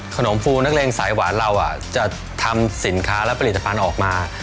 ฟูนักเลงสายหวานเราจะทำสินค้าและผลิตภัณฑ์ออกมา